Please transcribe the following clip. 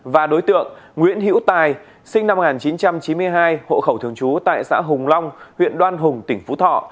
và đối tượng nguyễn hữu tài sinh năm một nghìn chín trăm chín mươi hai hộ khẩu thường trú tại xã hùng long huyện đoan hùng tỉnh phú thọ